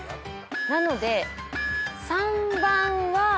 なので３番は。